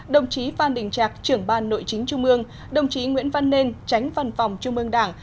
đồng chí phan đình trạc trưởng ban nội chính trung ương đồng chí nguyễn văn nên tránh văn phòng trung ương đảng